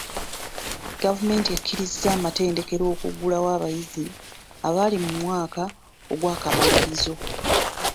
Gavumenti ekkirizza amatendekero okuggulirawo abayizi abali mu mwaka ogw'akamalirizo.